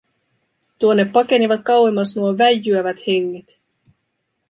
Tuonne pakenivat kauemmas nuo väijyävät henget.